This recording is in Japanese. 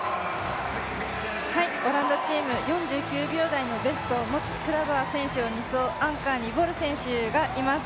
オランダチーム、４９秒台のタイムを持つクラバー選手を２走、アンカーにボル選手がいます。